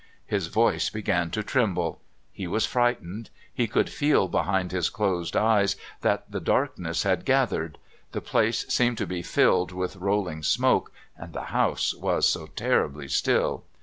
His voice began to tremble. He was frightened. He could feel behind his closed eyes that the darkness had gathered. The place seemed to be filled with rolling smoke, and the house was so terribly still!